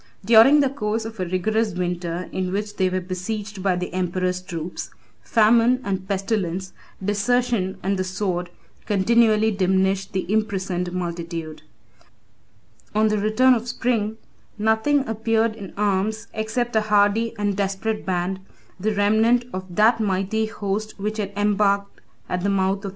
During the course of a rigorous winter in which they were besieged by the emperor's troops, famine and pestilence, desertion and the sword, continually diminished the imprisoned multitude. On the return of spring, nothing appeared in arms except a hardy and desperate band, the remnant of that mighty host which had embarked at the mouth of the Niester. 13 (return) [ Hist. August.